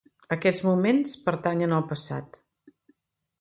Aquests moments pertanyen al passat.